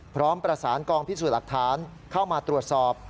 พร้อมประสานกองพิสูจน์หลักฐานเข้ามาตรวจสอบ